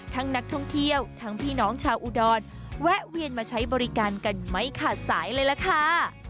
นักท่องเที่ยวทั้งพี่น้องชาวอุดรแวะเวียนมาใช้บริการกันไม่ขาดสายเลยล่ะค่ะ